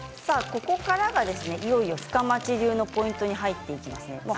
ここからがいよいよ深町流のポイントになっていき